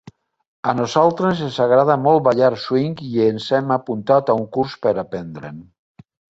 A nosaltres ens agrada molt ballar swing i ens hem apuntat a un curs per aprendre'n.